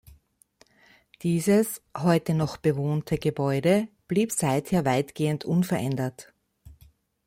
Dieses heute noch bewohnte Gebäude blieb seither weitgehend unverändert.